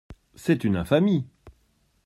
C’est une infamie !…